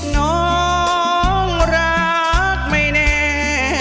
น้องรักไม่แน่